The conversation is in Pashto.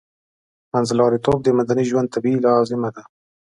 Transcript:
منځلاریتوب د مدني ژوند طبیعي لازمه ده